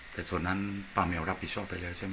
แต่ส่วนนั้นป้าแมวรับผิดชอบไปแล้วใช่ไหม